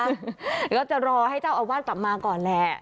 แล้วจะรอให้เจ้าอาวาสกลับมาก่อนแหละ